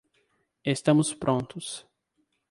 Estamos prontos